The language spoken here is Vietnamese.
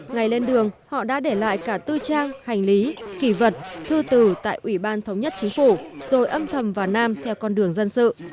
ngày lên đường họ đã để lại cả tư trang hành lý kỳ vật thư tử tại ủy ban thống nhất chính phủ rồi âm thầm vào nam theo con đường dân sự